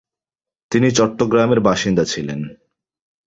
তিনি চট্টগ্রামের বাসিন্দা ছিলেন।